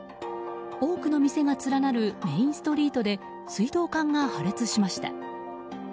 多くの店が連なるメインストリートで水道管が破裂しました。